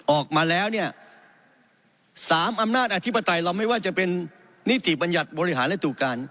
ออกมาแล้วสามอำนาจอธิบัตรรายลำให้ว่าจะเป็นนิติปัญญัติบริหารและตู่การ